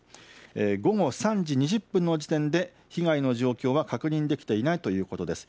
午後３時２０分の時点で被害の状況は確認できていないということです。